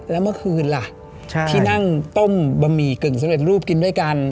แล้วเมื่อคืนล่ะที่นั่งต้มบะหมี่กึ่งสำเร็จรูปกินด้วยกัน